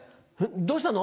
どうしたの？